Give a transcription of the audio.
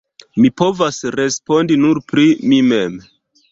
Mi povas respondi nur pri mi mem.